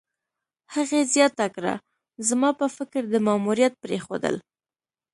هغې زیاته کړه: "زما په فکر، د ماموریت پرېښودل